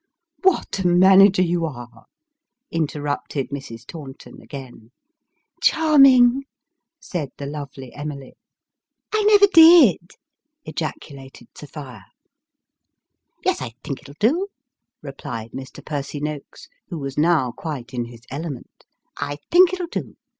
" What a manager you are 1 " interrupted Mrs. Taunton again. " Charming !" said the lovely Emily. " I never did !" ejaculated Sophia. " Yes, I think it'll do," replied Mr. Percy Noakes, who was now quite in his element. " I think it'll do.